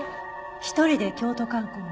一人で京都観光を？